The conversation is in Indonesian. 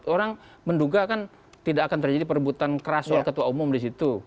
orang menduga kan tidak akan terjadi perebutan keras oleh ketua umum di situ